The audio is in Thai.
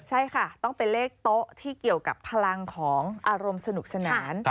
ใช่ค่ะต้องเป็นเลขโต๊ะที่เกี่ยวกับพลังของอารมณ์สนุกสนาน